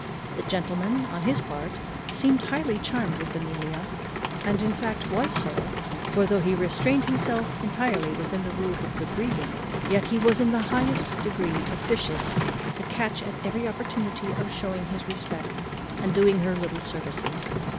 The gentleman, on his part, seemed highly charmed with Amelia, and in fact was so, for, though he restrained himself entirely within the rules of good breeding, yet was he in the highest degree officious to catch at every opportunity of shewing his respect, and doing her little services.